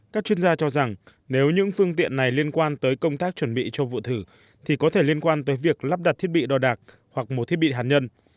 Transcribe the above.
các chuyên gia cho rằng nếu những phương tiện này liên quan tới công tác chuẩn bị cho vụ thử thì có thể liên quan tới việc lắp đặt thiết bị đo đạc hoặc một thiết bị hạt nhân